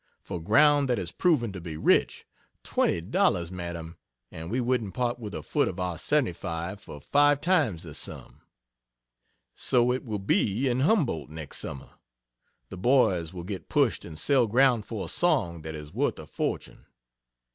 For ground that is proven to be rich. Twenty dollars, Madam and we wouldn't part with a foot of our 75 for five times the sum. So it will be in Humboldt next summer. The boys will get pushed and sell ground for a song that is worth a fortune.